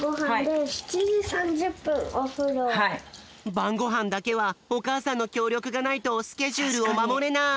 ばんごはんだけはおかあさんのきょうりょくがないとスケジュールをまもれない。